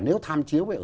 nếu tham chiếu